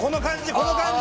この感じ！